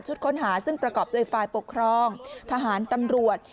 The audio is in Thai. ค้นหาซึ่งประกอบโดยฝ่ายปกครองทหารตำรวจ